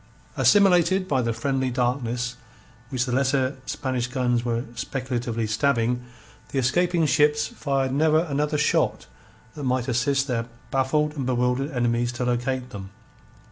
Assimilated by the friendly darkness which the lesser Spanish guns were speculatively stabbing, the escaping ships fired never another shot that might assist their baffled and bewildered enemies to locate them.